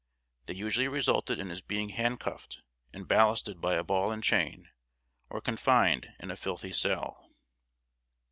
They usually resulted in his being hand cuffed and ballasted by a ball and chain, or confined in a filthy cell.